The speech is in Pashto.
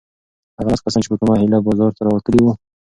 هغه لس کسان چې په کومه هیله بازار ته راوتلي وو؟